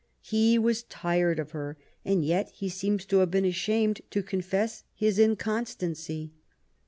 He was tired of her, and yet he seems ta have been ashamed to confess his inconstancy.